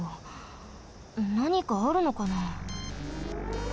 なにかあるのかな？